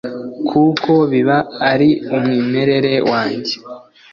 kuko biba ari umwimerere wanjye